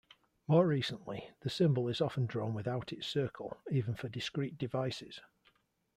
More recently, the symbol is often drawn without its circle even for discrete devices.